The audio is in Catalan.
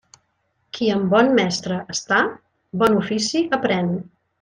Qui amb bon mestre està, bon ofici aprén.